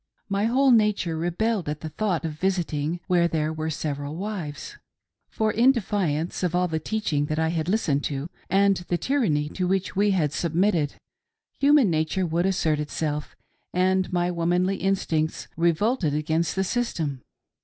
My whole nature rebelled at the thought of visiting where there were several wives ; for, in defiance of all the teaching that I had listened to and the tyranny to which we had sub mitted, human nature would assert itself, and my womanly in stincts revolted against the system.